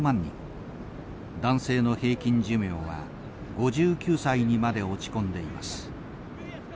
男性の平均寿命は５９歳にまで落ち込んでいます。